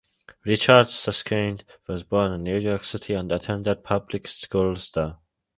Richard Suskind was born in New York City and attended public schools there.